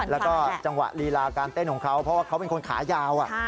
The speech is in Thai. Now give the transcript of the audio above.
แล้วก็จังหวะลีลาการเต้นของเขาเพราะว่าเขาเป็นคนขายาว